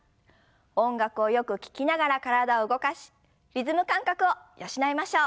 音楽をよく聞きながら体を動かしリズム感覚を養いましょう。